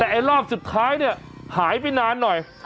แต่ไอ้รอบสุดท้ายเนี่ยหายไปนานหน่อย